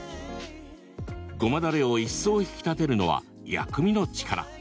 ごまだれを一層引き立てるのは薬味の力。